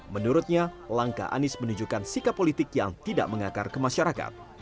menurutnya langkah anies menunjukkan sikap politik yang tidak mengakar ke masyarakat